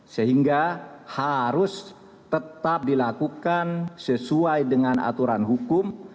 sehingga harus tetap dilakukan sesuai dengan aturan hukum